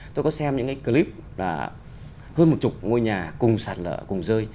tôi có xem những cái clip là hơn một chục ngôi nhà cùng sạt lở cùng rơi